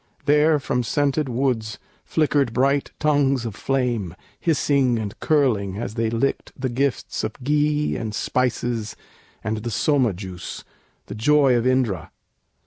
There From scented woods flickered bright tongues of flame, Hissing and curling as they licked the gifts Of ghee and spices and the Soma juice, The joy of Indra.